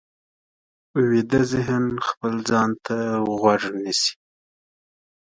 ویده ذهن خپل ځان ته غوږ نیسي